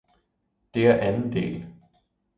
det er anden del.